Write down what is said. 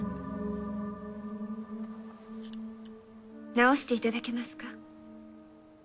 直していただけますか？